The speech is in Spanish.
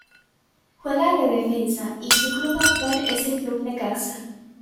Juega de Defensa y su club actual es el Club Necaxa